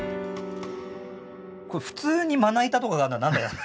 普通にまな板とかがあるのは？